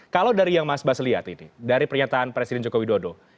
kalau dari yang mas bas lihat ini dari pernyataan presiden joko widodo